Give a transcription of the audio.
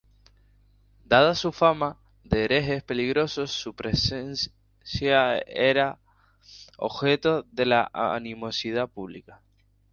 Dada su fama de herejes peligrosos, su presencia era objeto de la animosidad pública.